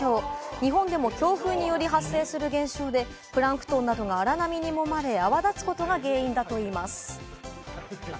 日本でも強風により発生する現象で、プランクトンなどが荒波にもまれ、泡立つことが原因だといいます。